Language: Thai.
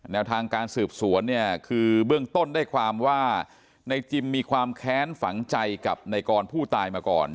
แนวทางการสืบสวนเนี่ยคือเบื้องต้นได้ความว่าในจิมมีความแค้นฝังใจกับในกรผู้ตายมาก่อน